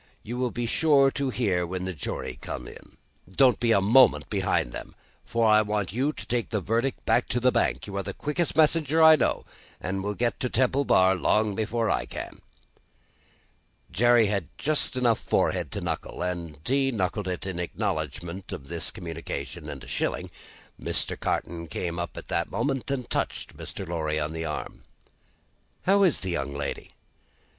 You will be sure to hear when the jury come in. Don't be a moment behind them, for I want you to take the verdict back to the bank. You are the quickest messenger I know, and will get to Temple Bar long before I can." Jerry had just enough forehead to knuckle, and he knuckled it in acknowledgment of this communication and a shilling. Mr. Carton came up at the moment, and touched Mr. Lorry on the arm. "How is the young lady?"